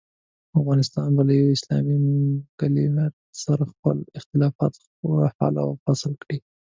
افغانستان به له یوه اسلامي مملکت سره خپل اختلافات حل او فصل کړي.